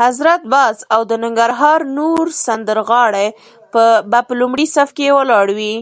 حضرت باز او د ننګرهار نور سندرغاړي به په لومړي صف کې ولاړ وي.